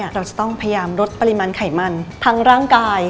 เราจะต้องพยายามลดปริมาณไขมันทั้งร่างกาย